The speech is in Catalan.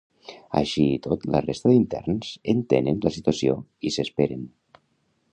Així i tot, la resta d’interns entenen la situació i s’esperen.